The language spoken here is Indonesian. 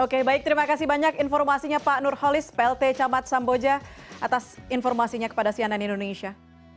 oke baik terima kasih banyak informasinya pak nurholis plt camat samboja atas informasinya kepada cnn indonesia